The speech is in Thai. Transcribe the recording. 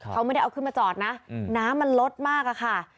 เขาไม่ได้เอาขึ้นมาจอดนะน้ำมันลดมากอะค่ะ